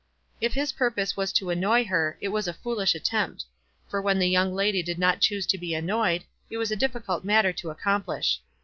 If his purpose was to annoy her, it was a foolish attempt ; for when the young lady did not choose to be annoyed, it was a difficult matter to accomplish.